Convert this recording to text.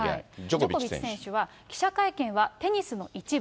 ジョコビッチ選手は、記者会見はテニスの一部。